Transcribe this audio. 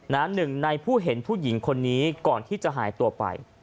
หนึ่งในผู้เห็นผู้หญิงคนนี้ก่อนที่จะหายตัวไป